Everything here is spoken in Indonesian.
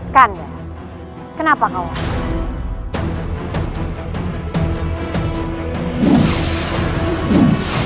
kau menantang aku terpaksa menghubungi